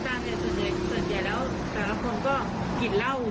แต่ละคนก็กินเหล้า